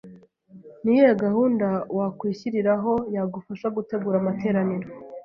Ni iyihe gahunda wakwishyiriraho yagufasha gutegura amateraniro